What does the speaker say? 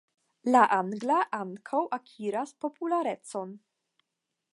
La angla ankaŭ akiras popularecon.